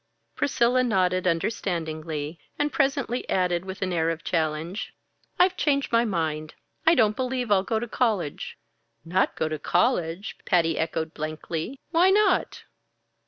Priscilla nodded understandingly, and presently added with an air of challenge: "I've changed my mind. I don't believe I'll go to college." "Not go to college!" Patty echoed blankly. "Why not?"